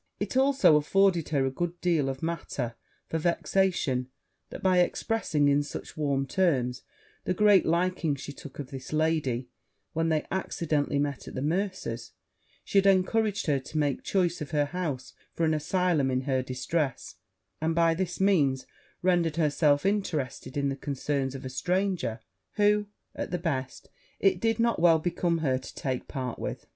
It also afforded her a good deal of matter for vexation, that by expressing, in such warm terms, the great liking she took of this lady when they accidentally met at the mercer's, she had encouraged her to make choice of her house for an asylum in her distress, and by this means rendered herself interested in the concerns of a stranger, who, at the best, it did not well become her to take part with.